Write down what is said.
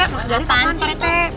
maksudnya dari taman pak rete